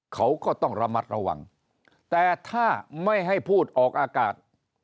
เขาก็ต้องระมัดระวังแต่ถ้าไม่ให้พูดออกอากาศ